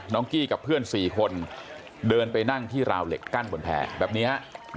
กี้กับเพื่อน๔คนเดินไปนั่งที่ราวเหล็กกั้นบนแพร่แบบนี้ฮะ